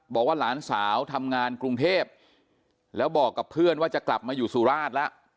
บอกว่าหลานสาวทำงานกรุงเทพแล้วบอกกับเพื่อนว่าจะกลับมาอยู่สุราชแล้ว